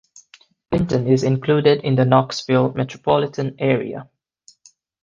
Clinton is included in the Knoxville metropolitan area.